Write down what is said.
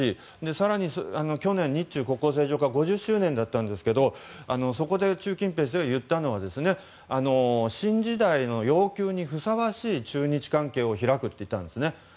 更に去年、日中国交正常化５０周年だったんですがそこで習近平氏が言ったのは新時代の要求にふさわしい中日関係を開くといったんですね。